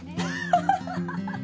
ハハハハハ！